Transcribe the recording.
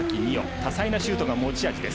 多彩なシュートが持ち味です。